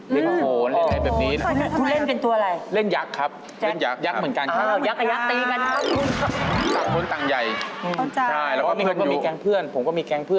เล่นทวงโหลเหมือนรายแบบนี้